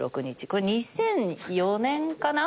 これ２００４年かな？